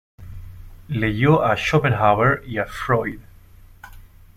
Leyó a Schopenhauer y a Freud.